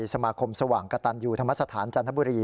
สมาคมสว่างกระตันยูธรรมสถานจันทบุรี